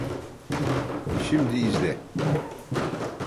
Şimdi izle.